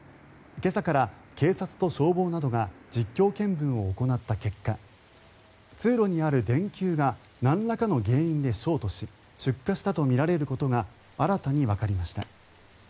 今朝から、警察と消防などが実況見分を行った結果通路にある電球がなんらかの原因でショートし出火したとみられることが新たにわかりました。